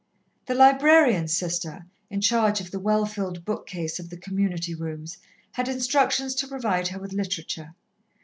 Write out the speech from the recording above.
The librarian Sister, in charge of the well filled book case of the Community rooms, had instructions to provide her with literature.